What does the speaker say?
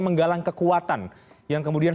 menggalang kekuatan yang kemudian